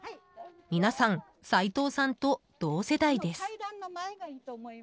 皆さん、齊藤さんと同世代です。